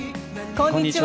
こんにちは。